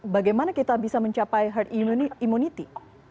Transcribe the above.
bagaimana kita bisa mencapai herd immunity